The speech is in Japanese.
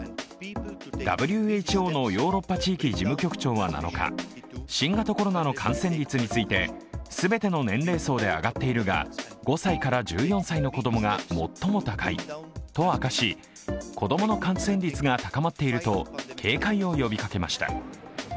ＷＨＯのヨーロッパ地域事務局長は７日新型コロナの感染率について全ての年齢層で上がっているが５歳から１４歳の子供が最も高いと明かし、子供の感染率が高まっていると警戒を呼びかけました。